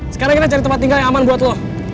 sekarang kita cari tempat tinggal yang aman buat loh